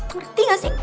ngerti gak sih